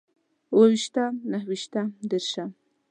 اوويشتم، نهويشتم، ديرشم